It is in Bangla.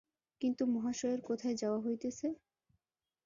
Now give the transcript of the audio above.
কিন্তু মহাশয়ের কোথায় যাওয়া হইতেছে?